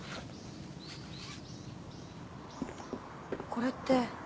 これって。